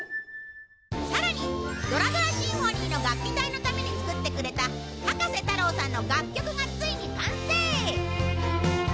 さらにドラドラシンフォニーの楽器隊のために作ってくれた葉加瀬太郎さんの楽曲がついに完成！